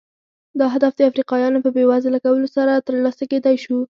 دا هدف د افریقایانو په بېوزله کولو سره ترلاسه کېدای شو.